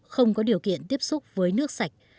không có điều kiện tiếp xúc với nước sạch